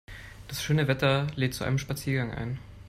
Das schöne Wetter lädt zu einem Spaziergang ein.